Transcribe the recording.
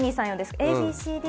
ＡＢＣＤ？